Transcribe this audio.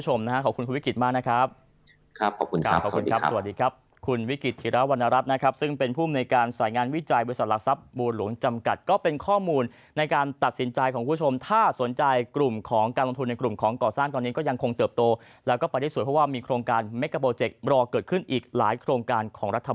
สวัสดีครับคุณวิกฤตธิรวรรณรับนะครับซึ่งเป็นผู้ในการสายงานวิจัยบริษัทหลักทรัพย์บูรณหลวงจำกัดก็เป็นข้อมูลในการตัดสินใจของผู้ชมถ้าสนใจกลุ่มของการลงทุนในกลุ่มของก่อสร้างตอนนี้ก็ยังคงเติบโตแล้วก็ไปได้สวยเพราะว่ามีโครงการเมกาโปรเจครอเกิดขึ้นอีกหลายโครงการ